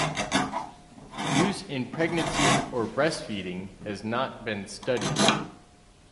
Use in pregnancy or breastfeeding has not been studied.